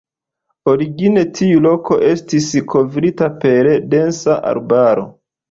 Origine tiu loko estis kovrita per densa arbaro.